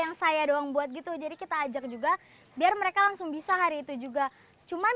yang saya doang buat gitu jadi kita ajak juga biar mereka langsung bisa hari itu juga cuman